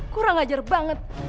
kurang ajar banget